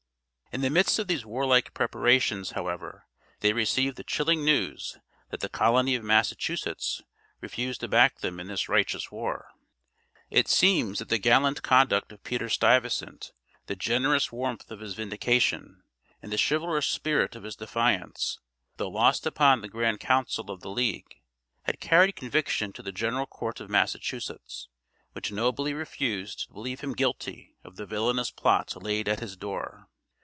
In the midst of these warlike preparations, however, they received the chilling news that the colony of Massachusetts refused to back them in this righteous war. It seems that the gallant conduct of Peter Stuyvesant, the generous warmth of his vindication, and the chivalrous spirit of his defiance, though lost upon the grand council of the league, had carried conviction to the general court of Massachusetts, which nobly refused to believe him guilty of the villainous plot laid at his door.